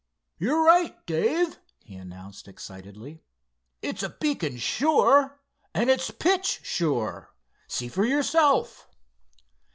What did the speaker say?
"You're right, Dave," he announced excitedly. "It's a beacon, sure, and it's pitch, sure. See for yourself."